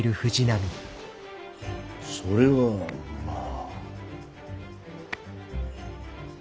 それはまぁ。